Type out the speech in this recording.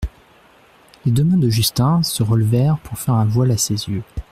Les deux mains de Justin se relevèrent pour faire un voile à ses yeux.